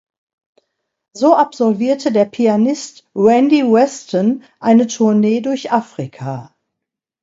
So absolvierte der Pianist Randy Weston eine Tournee durch Afrika.